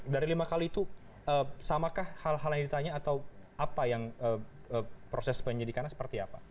dari lima kali itu samakah hal hal yang ditanya atau apa yang proses penyidikannya seperti apa